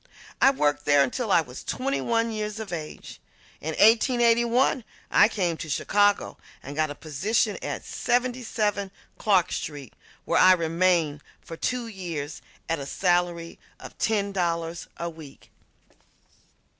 I worked there until I was twenty one years of age. In 1881 I came to Chicago and got a position at 77 Clark Street, where I remained for two years at a salary of ten dollars a week.